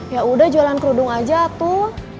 yaudah jualan kerudung aja tuh